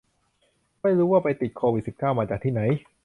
ไม่รู้ว่าไปติดโควิดสิบเก้ามาจากที่ไหน